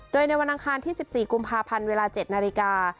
โดยในวันอังคารที่๑๔กุมภาพันธ์เวลา๗นาฬิกา